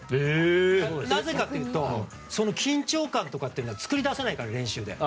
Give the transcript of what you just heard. なぜかというと緊張感とかっていうのは作り出せないから、練習で。